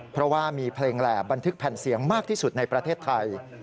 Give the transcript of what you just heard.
เพราะว่ามีเพลงแหล่บันทึกแผ่นเสียงมากที่สุดในประเทศไทย